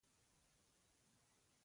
احمد او علي ډېر سره نږدې شوي.